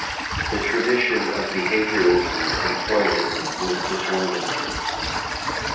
The tradition of behaviourism and Freudism was deterministic.